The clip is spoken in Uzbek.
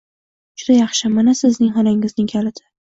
Juda yaxshi. Mana sizning xonangizning kaliti.